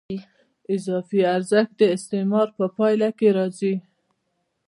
اضافي ارزښت د استثمار په پایله کې راځي